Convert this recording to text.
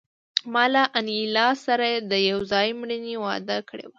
ما له انیلا سره د یو ځای مړینې وعده کړې وه